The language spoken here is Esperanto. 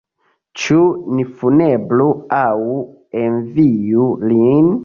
Ĉu ni funebru aŭ enviu lin?